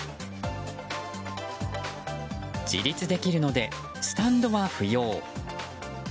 自立できるので、スタンドは不要。